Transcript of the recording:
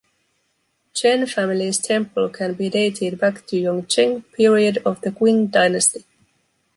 Chen Family’s temple can be dated back to Yongzheng period of the Qing Dynasty.